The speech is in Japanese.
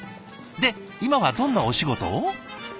で今はどんなお仕事を？